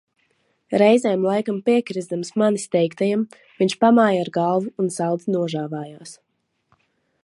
Reizēm laikam piekrizdams manis teiktajam, viņš pamāja ar galvu un saldi nožāvājās.